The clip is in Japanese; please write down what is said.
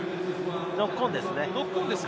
ノックオンですね。